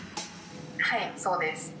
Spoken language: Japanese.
はいそうです。